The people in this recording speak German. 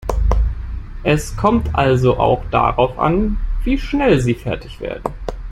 Es kommt also auch darauf an, wie schnell Sie fertig werden.